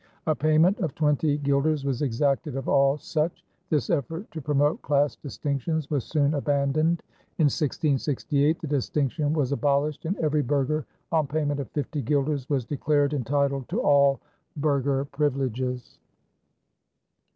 A payment of twenty guilders was exacted of all such. This effort to promote class distinctions was soon abandoned. In 1668 the distinction was abolished and every burgher, on payment of fifty guilders, was declared entitled to all burgher privileges.